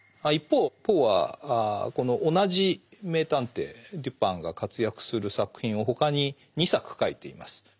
一方ポーはこの同じ名探偵デュパンが活躍する作品を他に２作書いています。